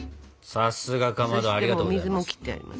さすがかまどありがとうございます。